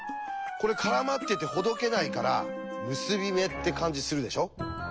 これ絡まっててほどけないから結び目って感じするでしょ？